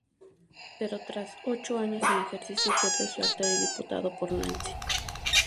Pero tras ocho años en ejercicio pierde su acta de diputado por Nancy.